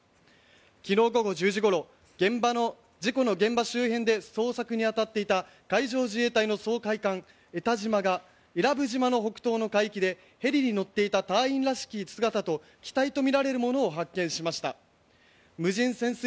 昨日午後１０時ごろ事故の現場周辺で捜索に当たっていた海上自衛隊の掃海艦「えたじま」が伊良部島の北の海域でヘリに乗っていた隊員らしき姿と機体とみられるものを発見しました。